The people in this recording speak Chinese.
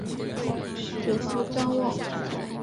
祖父张旺。